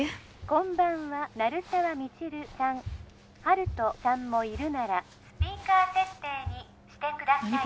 ☎こんばんは鳴沢未知留さん☎温人さんもいるならスピーカー設定にしてください